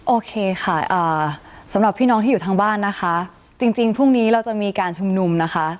โอเคค่ะสำหรับพี่น้องที่อยู่ทางบ้านนะคะจริงพรุ่งนี้เราจะมีการชุมนุมนะคะ